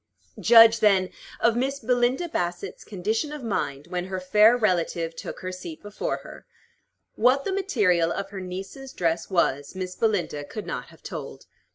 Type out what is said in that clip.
Judge, then, of Miss Belinda Bassett's condition of mind when her fair relative took her seat before her. What the material of her niece's dress was, Miss Belinda could not have told.